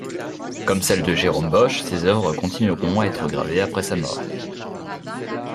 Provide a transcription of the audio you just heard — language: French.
Comme celles de Jérôme Bosch, ses œuvres continueront à être gravées après sa mort.